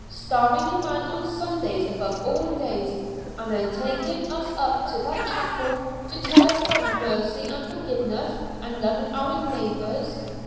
Starving a man on Sundays above all days, and then taking us up to that chapel to tell us about mercy and forgiveness and loving our neighbours!